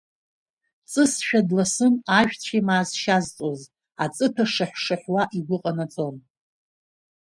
Ҵысшәа дласын ажәцәеимаа зшьазҵоз аҵыҭәа шаҳә-шаҳәуа игәы ҟанаҵон.